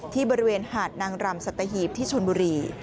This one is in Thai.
ที่บริเวณหาดนางรำสัตหีบที่ชนบุรี